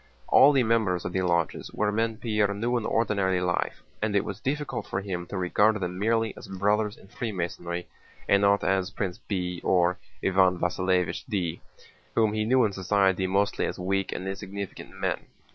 All the members of the lodges were men Pierre knew in ordinary life, and it was difficult for him to regard them merely as Brothers in Freemasonry and not as Prince B. or Iván Vasílevich D., whom he knew in society mostly as weak and insignificant men.